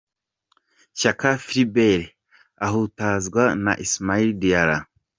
Shyaka Philbbert ahutazwa na Ismaila Diarra .